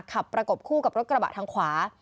ประกบคู่กับรถกระบะทางขวา